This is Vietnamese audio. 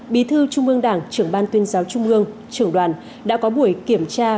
bí thư trung ương đảng trưởng ban tuyên giáo trung ương trưởng đoàn đã có buổi kiểm tra